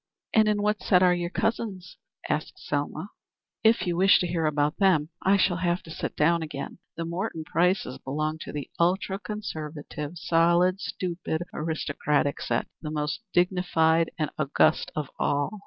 "And in what set are your cousins?" asked Selma. "If you wish to hear about them, I shall have to sit down again. The Morton Prices belong to the ultra conservative, solid, stupid, aristocratic set the most dignified and august of all.